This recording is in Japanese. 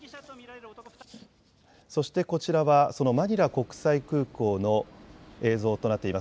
そしてこちらはそのマニラ国際空港の映像となっています。